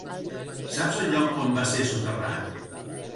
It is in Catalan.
Saps el lloc on va ser soterrat?